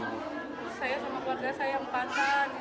saya sama keluarga saya yang pantan